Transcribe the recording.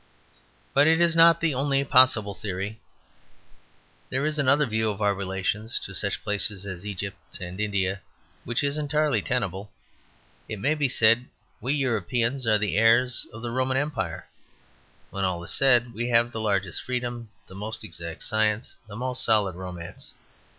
But it is not the only possible theory. There is another view of our relations to such places as Egypt and India which is entirely tenable. It may be said, "We Europeans are the heirs of the Roman Empire; when all is said we have the largest freedom, the most exact science, the most solid romance.